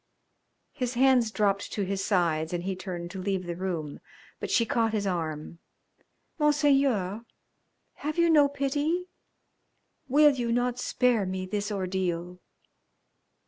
His hands dropped to his sides and he turned to leave the room, but she caught his arm. "Monseigneur! Have you no pity? Will you not spare me this ordeal?"